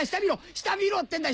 下見ろってんだ！